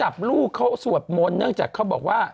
ลูกเขาสวดมนต์เนื่องจากเขาบอกว่า